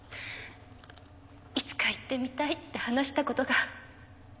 いつか行ってみたいって話した事が。